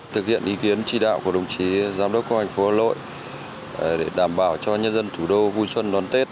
thực hiện ý kiến chỉ đạo của đồng chí giám đốc công an thành phố hà nội để đảm bảo cho nhân dân thủ đô vui xuân đón tết